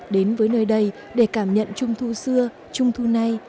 đến với nơi đây để cảm nhận trung thu xưa trung thu này